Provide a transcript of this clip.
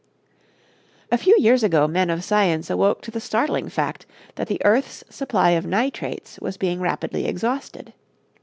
A few years ago men of science awoke to the startling fact that the earth's supply of nitrates was being rapidly exhausted.